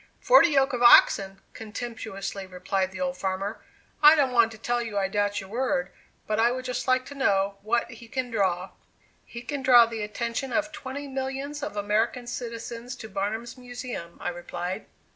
"Forty yoke of oxen!" contemptuously replied the old farmer; "I don't want to tell you I doubt your word, but I would just like to know what he can draw." "He can draw the attention of twenty millions of American citizens to Barnum's Museum," I replied.